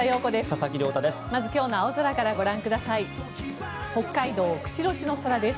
佐々木亮太です。